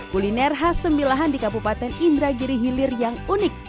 kuliner khas tembilahan di kabupaten indragiri hilir yang unik